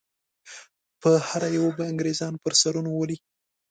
په هره یوه به انګریزان پر سرونو وولي.